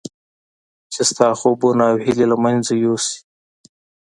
چې ستا خوبونه او هیلې له منځه یوسي.